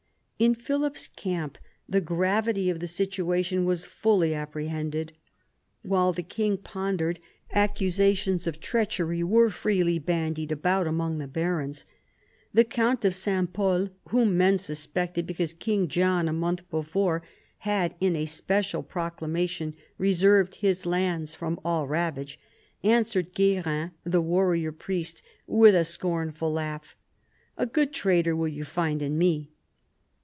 In Philip's camp the gravity of the situation was fully apprehended. While the king pondered, accusa tions of treachery were freely bandied about among the barons. The count of S. Pol, whom men suspected because King John a month before had in a special pro clamation reserved his lands from all ravage, answered Gu6rin the warrior priest with a scornful laugh, "A good traitor will you find in me."